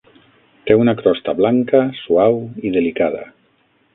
Té una crosta blanca, suau i delicada.